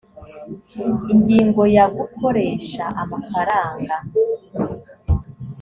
ingingo ya gukoresha amafaranga